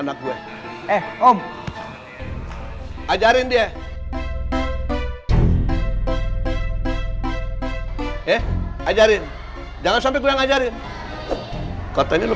jangan lagi sama anak gue eh om ajarin dia eh ajarin jangan sampai gue ngajarin katanya lo